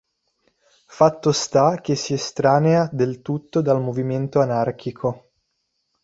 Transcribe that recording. Fatto sta che si estranea del tutto dal movimento anarchico.